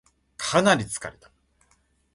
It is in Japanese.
かなり疲れた